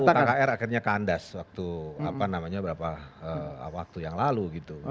kita tahu bagaimana ru kkr akhirnya kandas waktu apa namanya berapa waktu yang lalu gitu